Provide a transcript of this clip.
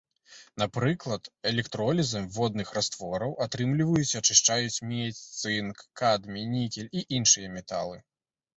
Напрыклад, электролізам водных раствораў атрымліваюць і ачышчаюць медзь, цынк, кадмій, нікель і іншыя металы.